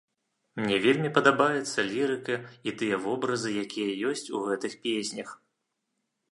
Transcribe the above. Мне вельмі падабаецца лірыка і тыя вобразы, якія ёсць у гэтых песнях.